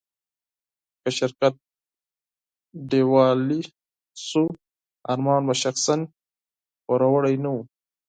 که شرکت ډيوالي شو، ارمان به شخصاً پوروړی نه و.